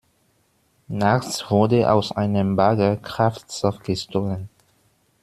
Nachts wurde aus einem Bagger Kraftstoff gestohlen.